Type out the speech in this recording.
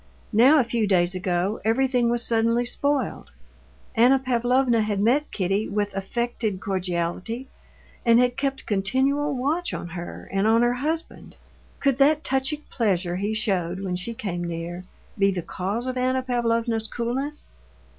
Now, a few days ago, everything was suddenly spoiled. Anna Pavlovna had met Kitty with affected cordiality, and had kept continual watch on her and on her husband. Could that touching pleasure he showed when she came near be the cause of Anna Pavlovna's coolness?